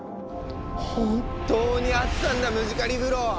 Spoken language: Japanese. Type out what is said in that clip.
本当にあったんだムジカリブロ！